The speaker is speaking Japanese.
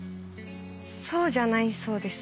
そうじゃないそうです。